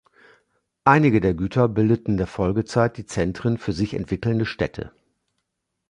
Einige der Güter bildeten in der Folgezeit die Zentren für sich entwickelnde Städte.